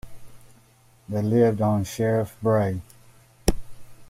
They lived on Sherrif Brae.